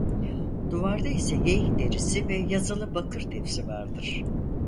Duvarda ise geyik derisi ve yazılı bakır tepsi vardır.